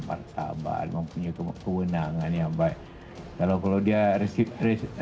martabat mempunyai kewenangan yang baik kalau kalau dia resip